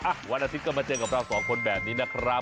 วันอาทิตย์ก็มาเจอกับเราสองคนแบบนี้นะครับ